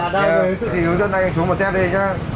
thì hướng dẫn anh xuống một test đi nha